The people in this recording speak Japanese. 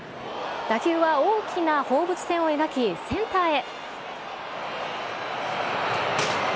打球は大きな放物線を描き、センターへ。